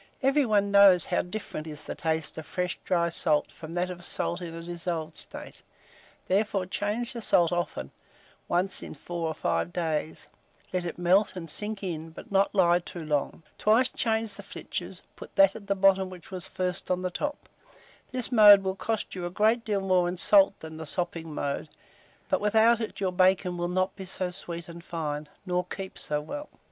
Every one knows how different is the taste of fresh dry salt from that of salt in a dissolved state; therefore change the salt often, once in 4 or 5 days; let it melt and sink in, but not lie too long; twice change the flitches, put that at bottom which was first on the top: this mode will cost you a great deal more in salt than the sopping mode, but without it your bacon will not be so sweet and fine, nor keep so well.